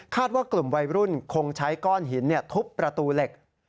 ว่ากลุ่มวัยรุ่นคงใช้ก้อนหินทุบประตูเหล็ก